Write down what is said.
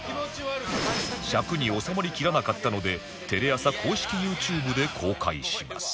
尺に収まりきらなかったのでテレ朝公式 ＹｏｕＴｕｂｅ で公開します